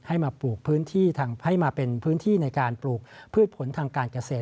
ให้มาเป็นพื้นที่ในการปลูกพืชผลทางการเกษตร